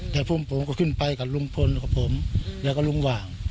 แต่พวกผมก็ขึ้นไปกับลุงพลกับผมแล้วก็ลุงหว่าง